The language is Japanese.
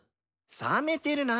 さめてるな。